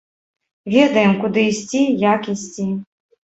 Ведаем, куды ісці, як ісці.